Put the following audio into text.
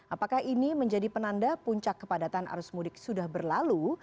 apakah ini menjadi penanda puncak kepadatan arus mudik sudah berlalu